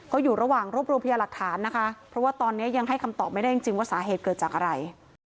ก็อยู่ระหว่างรวบรวมพยาหลักฐานนะคะเพราะว่าตอนนี้ยังให้คำตอบไม่ได้จริงว่าสาเหตุเกิดจากอะไร